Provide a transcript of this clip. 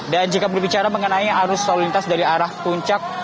dan jika berbicara mengenai arus lalu lintas dari arah puncak